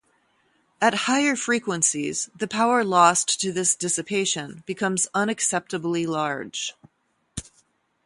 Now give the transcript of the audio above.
At higher frequencies, the power lost to this dissipation becomes unacceptably large.